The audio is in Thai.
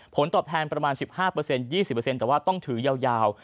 ผลตอบแทนประมาณ๑๕เปอร์เซ็นต์๒๐เปอร์เซ็นต์แต่ว่าต้องถือยาว